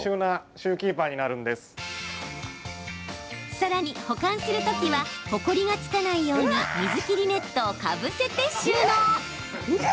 さらに、保管するときはホコリがつかないように水切りネットをかぶせて収納。